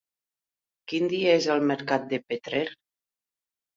Quin dia és el mercat de Petrer?